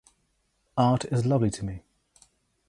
Art is lovely to me.